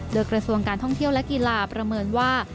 โดยกระทรวงการท่องเที่ยวและกีฬาประเมินว่า